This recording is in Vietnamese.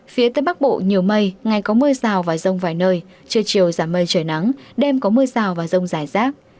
phía tây bắc bộ nhiều mây ngày có mưa rào và rông vài nơi trưa chiều giảm mây trời nắng đêm có mưa rào và rông rải rác